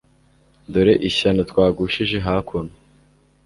Dore ishyano twagushije hakuno